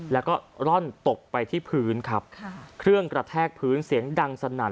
แล้วก็ร่อนตกไปที่พื้นครับเครื่องกระแทกพื้นเสียงดังสนั่น